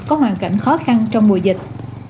có hoàn cảnh khó khăn trong mùa dịch